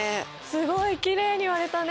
すごいきれいに割れたね。